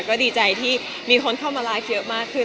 ก็ดีใจที่มีคนเข้ามาไลน์เยอะมากขึ้น